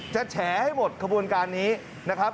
แฉให้หมดขบวนการนี้นะครับ